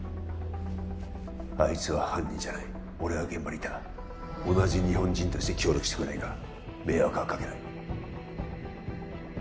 あいつは犯人じゃない俺は現場にいた同じ日本人として協力してくれないか迷惑はかけない